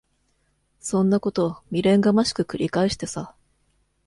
そんなこと未練がましく繰り返してさ。